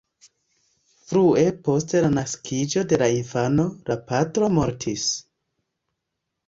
Frue post la naskiĝo de la infano, la patro mortis.